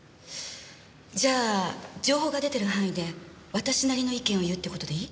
じゃあ情報が出てる範囲で私なりの意見を言うって事でいい？